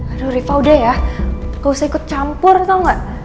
aduh rifka udah ya gak usah ikut campur tau gak